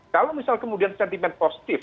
kalau misal kemudian sentimen positif